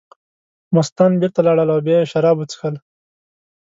مستان بېرته لاړل او بیا یې شراب وڅښل.